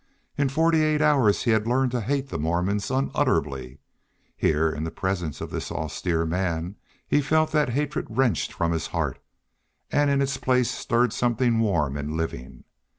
In forty eight hours he had learned to hate the Mormons unutterably; here, in the presence of this austere man, he felt that hatred wrenched from his heart, and in its place stirred something warm and living.